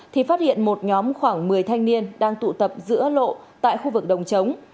thì phát hiện một nhóm khoảng một mươi thanh niên đang tụ tập giữa lộ tại khu vực đồng trống